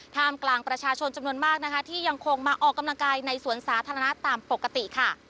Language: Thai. ท่ามกลางประชาชนจำนวนมากนะคะที่ยังคงมาออกกำลังกายในสวนสาธารณะตามปกติค่ะ